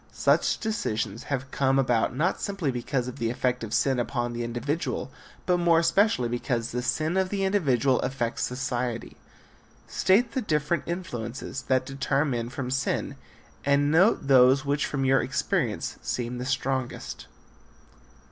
Such decisions have come about not simply because of the effect of sin upon the individual but more especially because the sin of the individual affects society. State the different influences that deter men from sin and note those which from your experience seem the strongest.